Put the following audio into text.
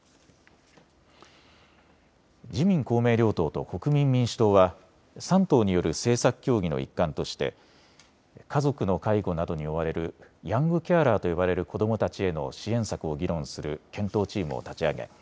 自民公明両党と国民民主党は３党による政策協議の一環として家族の介護などに追われるヤングケアラーと呼ばれる子どもたちへの支援策を議論する検討チームを立ち上げ